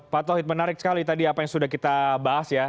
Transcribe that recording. pak tauhid menarik sekali tadi apa yang sudah kita bahas ya